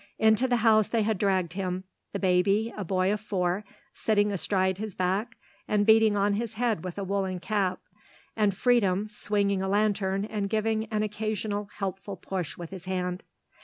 Into the house they had dragged him, the baby, a boy of four, sitting astride his back and beating on his head with a woollen cap, and Freedom swinging a lantern and giving an occasional helpful push with his hand.